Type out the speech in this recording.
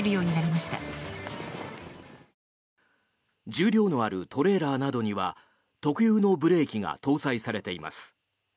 重量のあるトレーラーなどには特有のブレーキが搭載されています。